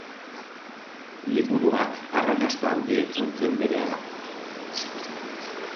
Liburuak arrakasta handia izan zuen berehala.